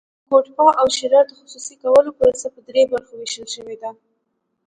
د ګوپټا او شیلر د خصوصي کولو پروسه په درې برخو ویشل شوې ده.